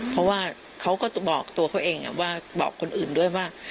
เพราะว่าเขาก็บอกตัวเขาเองว่าบอกคนอื่นด้วยว่า